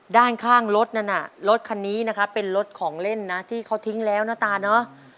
ด้านข้างรถนั้นน่ะรถคันนี้นะครับเป็นรถของเล่นนะที่เขาทิ้งแล้วนะตาเนอะ